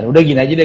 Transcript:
udah gini aja deh